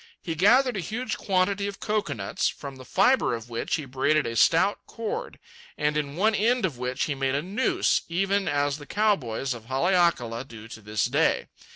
He gathered a huge quantity of coconuts, from the fibre of which he braided a stout cord, and in one end of which he made a noose, even as the cow boys of Haleakala do to this day.